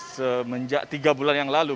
semenjak tiga bulan yang lalu